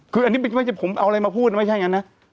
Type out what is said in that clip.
คืออันนี้ไม่ใช่ผมเอาอะไรมาพูดไม่ใช่อย่างนั้นนะ